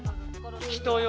人よ。